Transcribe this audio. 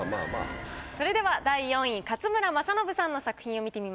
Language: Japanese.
それでは第４位勝村政信さんの作品を見てましょう。